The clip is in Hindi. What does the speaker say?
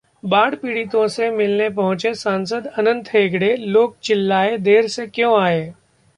बाढ़ पीड़ितों से मिलने पहुंचे सांसद अनंत हेगड़े, लोग चिल्लाए- देर से क्यों आए